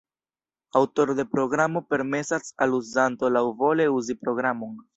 Aŭtoro de programo permesas al uzanto laŭvole uzi programon.